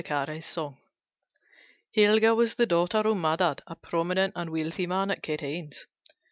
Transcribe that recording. KAARE'S SONG. Helga was the daughter of Maddad, a prominent and wealthy man at Katanes.